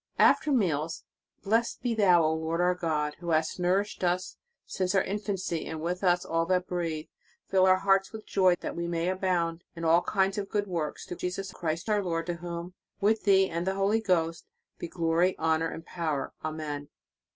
"* After meals: "Blessed be thou, O Lord our God, who hast nourished us since our infancy, and with us all that breathe. Fill our hearts with joy, that we may abound in all kinds of good works, through Jesus Christ our Lord, to whom, with Thee and the Holy Ghost, be glory, honor and power, Amen."